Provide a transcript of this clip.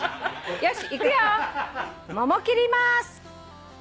よし。